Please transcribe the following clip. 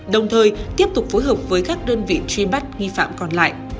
đồng thời tiếp tục phối hợp với các đơn vị truy bắt nghi phạm còn lại